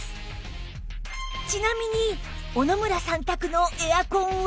ちなみに小野村さん宅のエアコンは